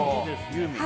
ユーミン